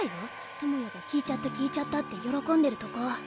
智也が「聞いちゃった聞いちゃった」って喜んでるとこ。